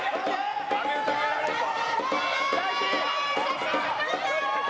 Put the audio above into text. アメフトにやられるぞ！